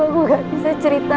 aku gak bisa cerita